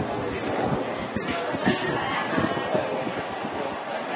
ขอบคุณครับ